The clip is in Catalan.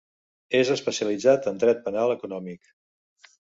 És especialitzat en dret penal econòmic.